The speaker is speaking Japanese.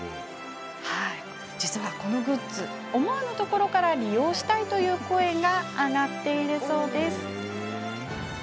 実は、このグッズ思わぬところからも利用したいと声が上がっているそうです。